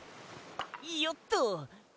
よっと！